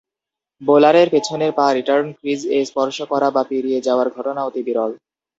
বোলারের পেছনের পা return crease এ স্পর্শ করা বা পেরিয়ে যাওয়ার ঘটনা অতি বিরল।